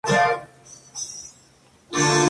En la Asamblea Nacional representó a su provincia natal.